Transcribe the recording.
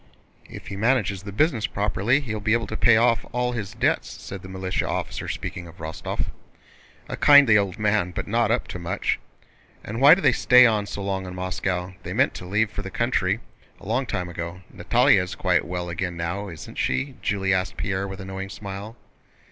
"If he manages the business properly he will be able to pay off all his debts," said the militia officer, speaking of Rostóv. "A kindly old man but not up to much. And why do they stay on so long in Moscow? They meant to leave for the country long ago. Natalie is quite well again now, isn't she?" Julie asked Pierre with a knowing smile.